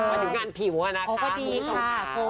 มาถึงงานผิวอะนะคะคุณผู้สมค้าคุณผู้สมค้าอ๋อก็ดีค่ะ